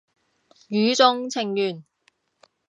語中程緣